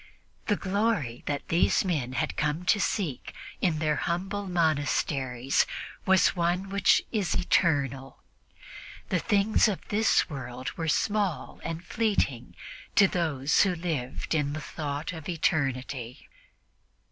The glory that these men had come to seek in their humble monasteries was one which is eternal. The things of this world were small and fleeting to those who lived in the thought of eternity.